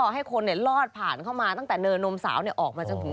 ให้คนลอดผ่านเข้ามาตั้งแต่เนินนมสาวออกมาจนถึง